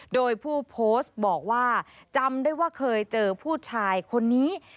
โดยผู้โพสต์บอกว่าจำได้ว่าเคยเจอผู้ชายคนนี้